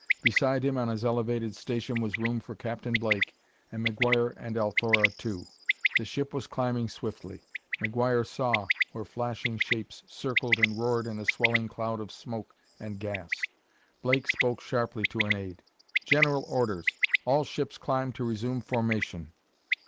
Beside him on his elevated station was room for Captain Blake, and McGuire and Althora, too. The ship was climbing swiftly. McGuire saw where flashing shapes circled and roared in a swelling cloud of smoke and gas. Blake spoke sharply to an aide: "General orders! All ships climb to resume formation!"